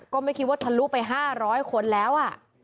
ก็ไม่คิดว่าทะลุไป๕๐๐คนแล้ว